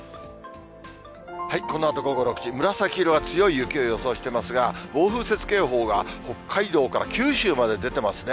このあと午後６時、紫色は強い雪を予想していますが、暴風雪警報が北海道から九州まで出てますね。